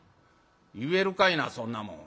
「言えるかいなそんなもん。